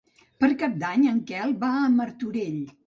Per Cap d'Any en Quel va a Martorell.